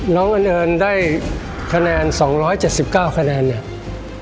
อันเนินได้คะแนน๒๗๙คะแนนเนี่ย